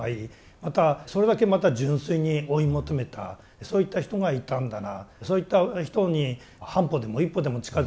またそれだけまた純粋に追い求めたそういった人がいたんだなそういった人に半歩でも一歩でも近づく。